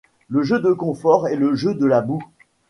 Le jeu de confort est le jeu de la boue.